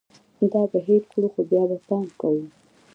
دا به هېر کړو ، خو بیا به پام کوو